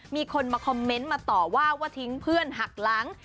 มีคนมาคอมเมนต์มาต่อว่าว่าทิ้งเพื่อนหักหลัง